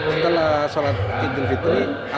setelah solat id jum'at fitrinya